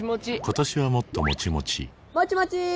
今年はもっともちもちもちもちー！